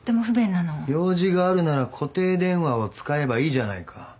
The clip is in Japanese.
用事があるなら固定電話を使えばいいじゃないか。